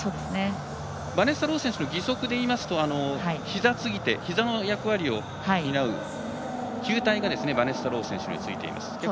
バネッサ・ロー選手の義足でいいますと、ひざ継手ひざの役割を担う球体がバネッサ・ロー選手もついています。